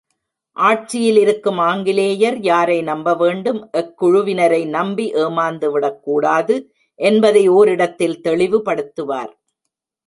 ஆட்சியிலிருக்கும் ஆங்கிலேயர் யாரை நம்ப வேண்டும், எக்குழுவினரை நம்பி ஏமாந்துவிடக் கூடாது என்பதை ஒரிடத்தில் தெளிவுபடுத்துவார்.